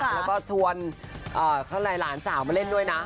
แล้วก็ชวนหลานสาวมาเล่นด้วยนะ